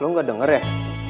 lo gak denger ya